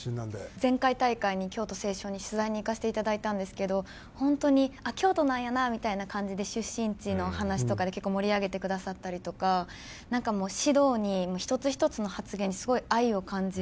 前回大会に京都成章に取材に行かせていただいたんですけど、本当に、あっ、京都なんやなみたいな感じで出身地の話とかで結構盛り上げてくださったりとか、なんか指導に、一つ一つの発言にすごい愛を感じる。